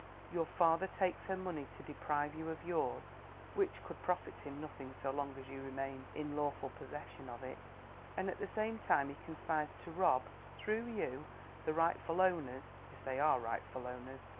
Your father takes her money to deprive you of yours, which could profit him nothing so long as you remained in lawful possession of it; and at the same time he conspires to rob, through you, the rightful owners if they are rightful owners.